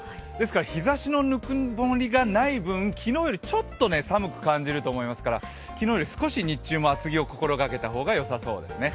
日ざしのぬくもりがない分、昨日よりちょっと寒く感じると思いますから昨日より少し、日中も厚着を心がけたほうがよさそうですね。